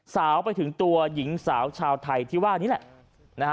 สาวไปถึงตัวหญิงสาวชาวไทยที่ว่านี่แหละนะฮะ